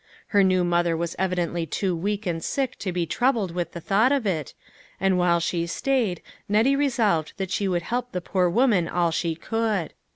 Her new mother was evidently too weak and sick to be troubled with the thought of it, and while she stayed, Nettie resolved that she would help the poor woman all she could.